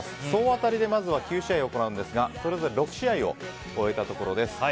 総当たりでまず９試合やるんですがそれぞれ６試合を終えたところです。